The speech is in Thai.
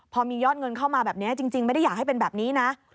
พอมียอดเงินเข้ามาแบบนี้จริงไม่ได้อยากให้เป็นแบบนี้นะ